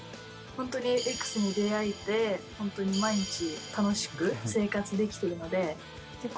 本当にＸに出会えて本当に毎日楽しく生活できてるので。